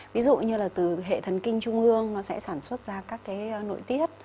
ví dụ như là từ hệ thần kinh trung ương nó sẽ sản xuất ra các cái nội tiết